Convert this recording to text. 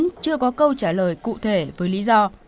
nhưng cục vẫn chưa có câu trả lời cụ thể với lý do